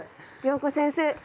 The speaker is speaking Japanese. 謠子先生